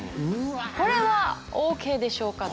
これはオッケーでしょうか？